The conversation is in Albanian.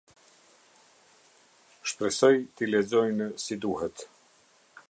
Shpresoj t’i lexojnë si duhet.